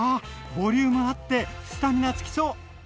ボリュームあってスタミナつきそう！